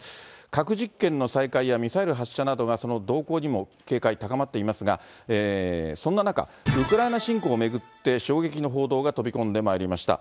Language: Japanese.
核実験の再開やミサイル発射などが、その動向にも警戒高まっていますが、そんな中、ウクライナ侵攻を巡って衝撃の報道が飛び込んでまいりました。